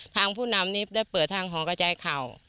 ผู้นำนี้ได้เปิดทางหอกระจายเข่า